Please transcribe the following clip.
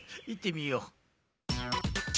いってみよう。